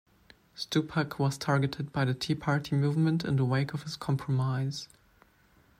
Stupak was targeted by the Tea Party movement in the wake of his compromise.